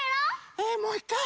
えもういっかい？